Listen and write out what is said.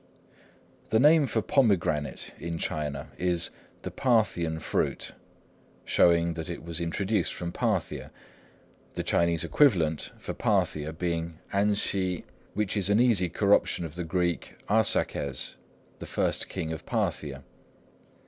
The name for pomegranate in China is "the Parthian fruit," showing that it was introduced from Parthia, the Chinese equivalent for Parthia being 安息 Ansik, which is an easy corruption of the Greek Ἀρσάκης, the first king of Parthia.